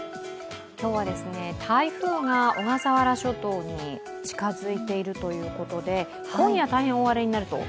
今日は台風が小笠原諸島に近づいているということで今夜、大変大荒れになると。